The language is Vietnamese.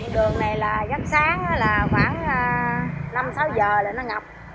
đường này là gấp sáng khoảng năm sáu giờ là nó ngập